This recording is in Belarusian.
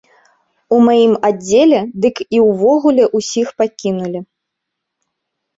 У маім аддзеле дык і ўвогуле ўсіх пакінулі.